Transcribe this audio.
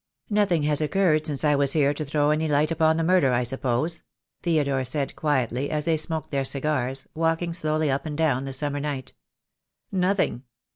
"Nothing has occurred since I was here to throw any new light upon the murder, I suppose?" Theodore said quietly, as they smoked their cigars, walking slowly up and down in the summer night. "Nothing."